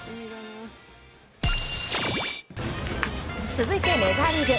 続いて、メジャーリーグ。